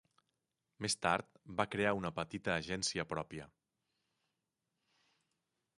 Més tard, va crear una petita agència pròpia.